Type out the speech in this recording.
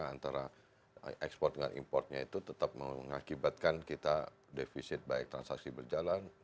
karena ekspor dengan importnya itu tetap mengakibatkan kita defisit baik transaksi berjalan